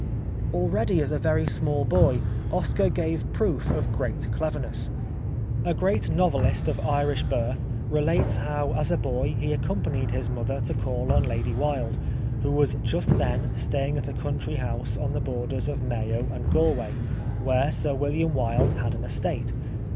Already as a very small boy Oscar gave proof of great cleverness. A great novelist of Irish birth relates how as a boy he accompanied his mother to call on Lady Wilde, who was just then staying at a country house on the borders 90 The Life of Oscar Wilde of Mayo and Galway, where Sir William Wilde had an estate.